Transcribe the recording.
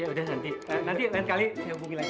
ya udah nanti nanti lain kali hubungi lagi